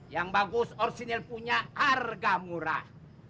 yang bagus orsinya punya harga murah